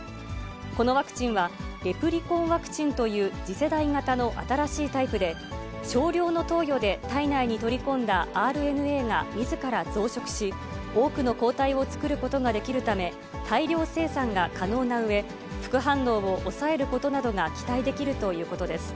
このワクチンは、レプリコンワクチンという次世代型の新しいタイプで、少量の投与で体内に取り込んだＲＮＡがみずから増殖し、多くの抗体を作ることができるため、大量生産が可能なうえ、副反応を抑えることなどが期待できるということです。